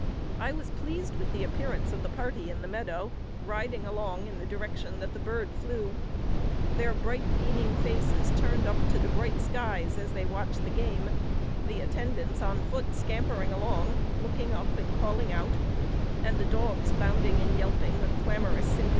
I was pleased with the appearance of the party in the meadow, riding along in the direction that the bird flew; their bright beaming faces turned up to the bright skies as they watched the game; the attendants on foot scampering along, looking up, and calling out, and the dogs bounding and yelping with clamorous sympathy.